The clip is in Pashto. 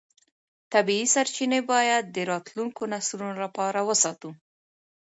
طبیعي سرچینې باید د راتلونکو نسلونو لپاره وساتو